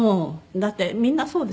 だってみんなそうですよ